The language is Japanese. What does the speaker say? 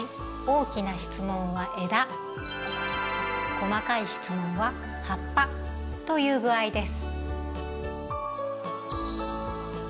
細かい質問は「葉っぱ」という具合です。